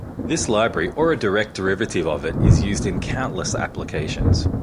This library or a direct derivative of it is used in countless applications.